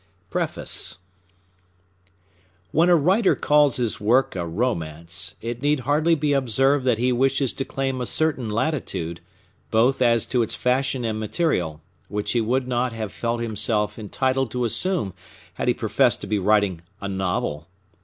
PREFACE. When a writer calls his work a Romance, it need hardly be observed that he wishes to claim a certain latitude, both as to its fashion and material, which he would not have felt himself entitled to assume had he professed to be writing a Novel.